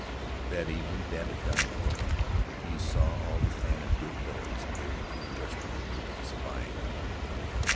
That evening Babbitt dined alone. He saw all the Clan of Good Fellows peering through the restaurant window, spying on him.